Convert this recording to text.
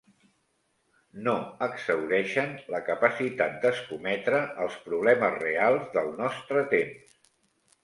No exhaureixen la capacitat d'escometre els problemes reals del nostre temps.